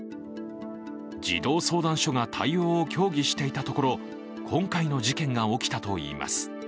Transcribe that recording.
児童相談所が対応を協議していたところ、今回の事件が起きたといいます。